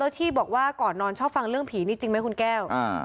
ที่บอกว่าก่อนนอนชอบฟังเรื่องผีนี่จริงไหมคุณแก้ว